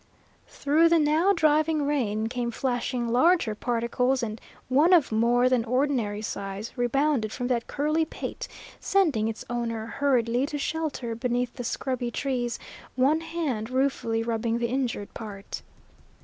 Through the now driving rain came flashing larger particles, and one of more than ordinary size rebounded from that curly pate, sending its owner hurriedly to shelter beneath the scrubby trees, one hand ruefully rubbing the injured part.